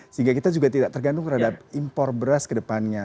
sehingga kita juga tidak tergantung terhadap impor beras kedepannya